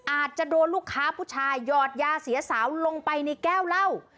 อาจจะโดนลูกค้าผู้ชายหยอดยาเสียสาวลงไปในแก้วเหล้า